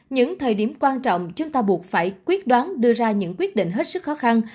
những thời điểm quan trọng chúng ta buộc phải quyết đoán đưa ra những quyết định hết sức khó khăn